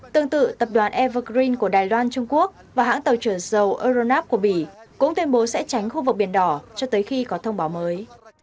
tương tự tập đoàn evergreen của đài loan trung quốc và hãng tàu trưởng dầu euronav của bỉ cũng tuyên bố sẽ tránh khu vực biển đỏ cho tới khi có thông báo mới